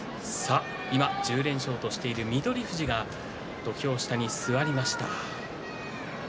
今、１０連勝としている翠富士が土俵下に座りました。